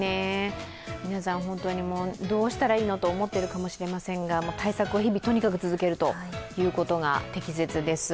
皆さん本当に、どうしたらいいのと思っているかもしれませんが対策を日々、とにかく続けることが適切です。